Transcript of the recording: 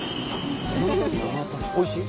おいしい？